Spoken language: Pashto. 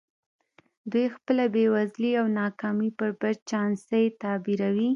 دوی خپله بېوزلي او ناکامي پر بد چانسۍ تعبیروي